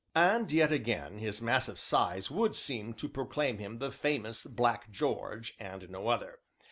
And yet again, his massive size would seem to proclaim him the famous Black George, and no other.